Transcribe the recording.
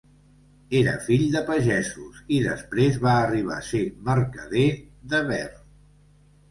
Era fill de pagesos, i després va arribar a ser mercader de Tver.